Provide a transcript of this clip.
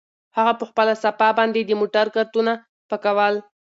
هغه په خپله صافه باندې د موټر ګردونه پاکول.